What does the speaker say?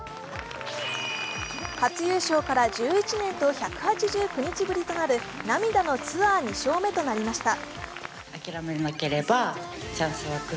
初優勝から１１年と１８９日ぶりとなる涙のツアー２勝目となりました。